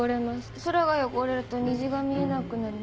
空が汚れると虹が見えなくなります。